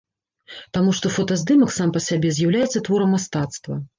Таму што фотаздымак сам па сабе з'яўляецца творам мастацтва.